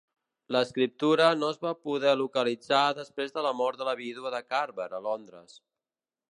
L'escriptura no es va poder localitzar després de la mort de la vídua de Carver a Londres.